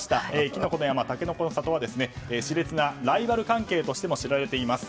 きのこの山、たけのこの里は熾烈なライバル関係としても知られています。